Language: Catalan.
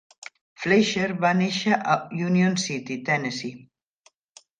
Fleisher va néixer a Union City, Tennessee.